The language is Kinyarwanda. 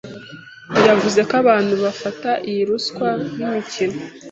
yavuze ko abantu bafata iyi ruswa nk’imikino